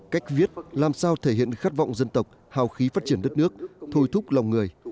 cách viết làm sao thể hiện khát vọng dân tộc hào khí phát triển đất nước thôi thúc lòng người